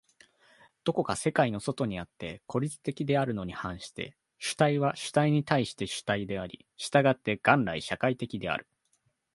どこか世界の外にあって孤立的であるに反して、主体は主体に対して主体であり、従って元来社会的である。